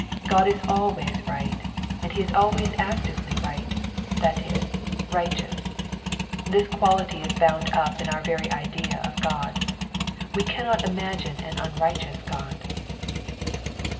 God is always right, and he is always actively right, that is, righteous. This quality is bound up in our very idea of God. We cannot imagine an unrighteous God.